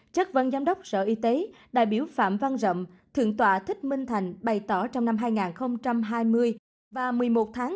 chất vấn giám đốc sở y tế đại biểu phạm văn rậm thượng tòa thích minh thành bày tỏ trong năm hai nghìn hai mươi và một mươi một tháng